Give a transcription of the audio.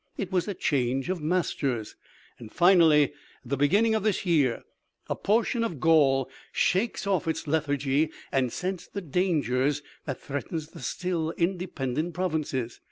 It was a change of masters. And finally, at the beginning of this year a portion of Gaul shakes off its lethargy and scents the dangers that threatens the still independent provinces.